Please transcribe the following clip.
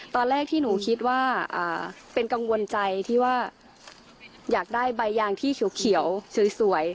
ตอนแรกที่หนูคิดว่าเป็นกังวลใจที่ว่าอยากได้ใบยางที่เขียวสวย